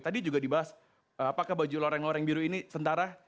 tadi juga dibahas apakah baju loreng loreng biru ini sentara